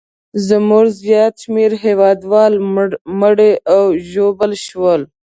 زموږ زیات شمېر هیوادوال مړه او ژوبل شول.